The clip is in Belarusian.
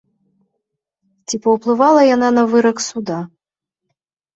Ці паўплывала яна на вырак суда?